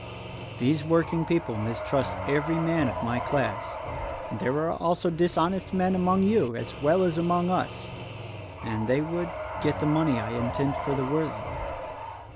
These working people mistrust every man of my class; and there are also dishonest men among you, as well as among us, and they would get the money I intend for the worthy.